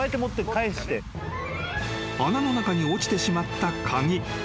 ［穴の中に落ちてしまった鍵］